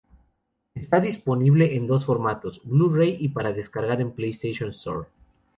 Está disponible en dos formatos: Blu-ray y para descargar en PlayStation Store.